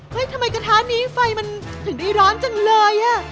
ทำไมกระทะนี้ไฟมันถึงได้ร้อนจังเลย